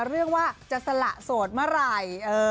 เรื่องว่าจะสละโสดเมื่อไหร่